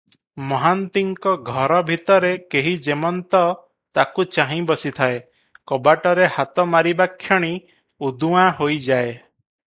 ମହାନ୍ତିଙ୍କ ଘର ଭିତରେ କେହି ଯେମନ୍ତ ତାକୁ ଚାହିଁ ବସିଥାଏ, କବାଟରେ ହାତ ମାରିବାକ୍ଷଣି ଉଦୁଆଁ ହୋଇଯାଏ ।